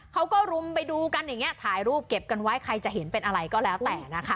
เขาก็รุมไปดูกันอย่างนี้ถ่ายรูปเก็บกันไว้ใครจะเห็นเป็นอะไรก็แล้วแต่นะคะ